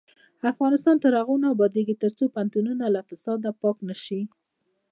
افغانستان تر هغو نه ابادیږي، ترڅو پوهنتونونه له فساده پاک نشي.